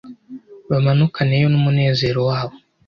bamanukaneyo n’umunezero wabo.